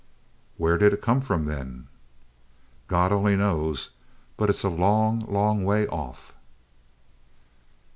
_" "Where did he come from then?" "God only knows, but it's a long, long way off."